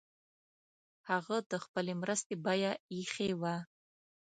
هغه د خپلي مرستي بیه ایښې وه.